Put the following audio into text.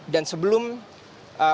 dan sebelum penangkapan